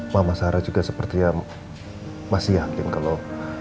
mama sarah juga sepertinya masih yakin kalau